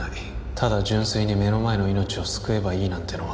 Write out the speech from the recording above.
ただ純粋に目の前の命を救えばいいなんてのは